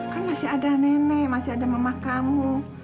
kan masih ada nenek masih ada mama kamu